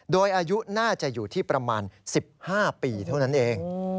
โดยอายุน่าจะอยู่ที่ประมาณ๑๕ปีเท่านั้นเอง